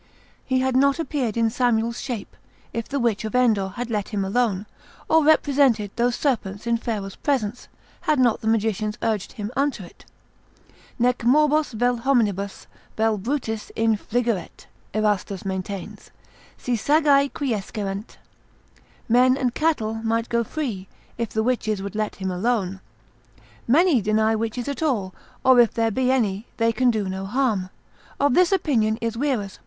He had not appeared in Samuel's shape, if the Witch of Endor had let him alone; or represented those serpents in Pharaoh's presence, had not the magicians urged him unto it; Nec morbos vel hominibus, vel brutis infligeret (Erastus maintains) si sagae quiescerent; men and cattle might go free, if the witches would let him alone. Many deny witches at all, or if there be any they can do no harm; of this opinion is Wierus, lib.